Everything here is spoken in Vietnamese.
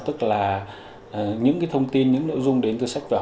tức là những thông tin những nội dung đến từ sách vở